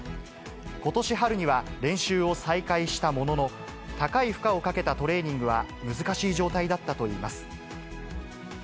ことし春には、練習を再開したものの、高い負荷をかけたトレーニングは難しい状態だったといいます。